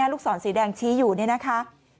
ลูกศรสีแดงชี้อยู่นี่นะคะ